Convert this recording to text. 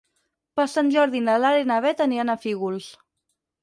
Per Sant Jordi na Lara i na Beth aniran a Fígols.